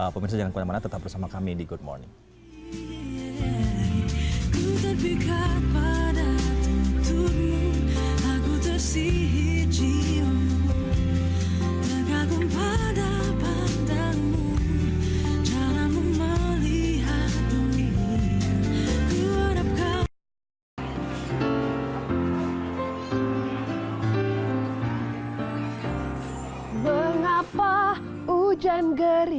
pemirsa jangan kemana mana tetap bersama kami di good morning